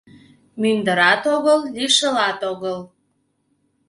Мӱндырат огыл, лишылат огыл